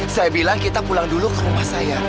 saya bilang kita pulang dulu ke rumah saya